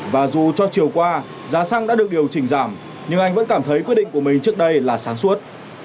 và dù cho chiều qua giá xăng đã được điều chỉnh giảm nhưng anh vẫn cảm thấy quyết định của mình trước đây là sáng suốt